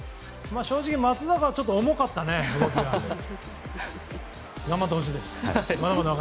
正直、松坂はちょっと重かったね、動きが。